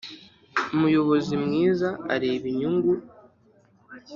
Umuyobozi mwiza areba inyungu